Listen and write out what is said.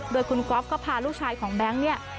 โดยคุณก๊อฟก็พาลูกชายของแบงค์เนี่ย